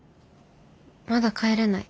まだ帰れない。